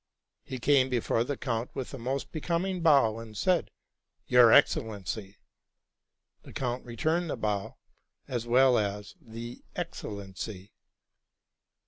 He came before the count with «© most becoming bow, and said, '* Your Excellency! '' The count returned the bow, as well as the '* excellency.